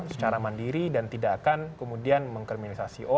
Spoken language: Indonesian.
secara mandiri dan tidak akan kemudian mengkriminalisasi